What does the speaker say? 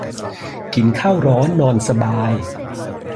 กินข้าวร้อนนอนสบาย